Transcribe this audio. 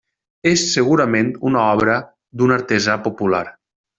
És segurament una obra d'un artesà popular.